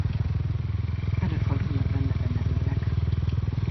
Előfordulnak benne denevérek.